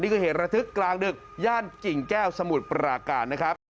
เกิดเหตุระทึกกลางดึกย่านกิ่งแก้วสมุทรปราการนะครับ